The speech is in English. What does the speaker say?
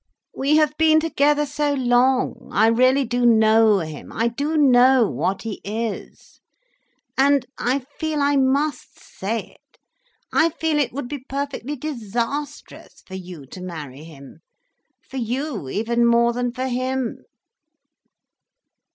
We have been together so long, I really do know him, I do know what he is. And I feel I must say it; I feel it would be perfectly disastrous for you to marry him—for you even more than for him."